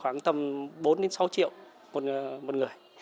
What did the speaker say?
khoảng tầm bốn đến sáu triệu một người